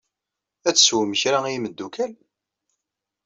Ad teswem kra i imeddukal?